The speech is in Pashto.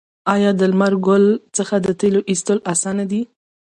آیا د لمر ګل څخه د تیلو ایستل اسانه دي؟